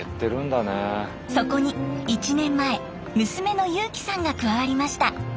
そこに１年前娘の侑季さんが加わりました。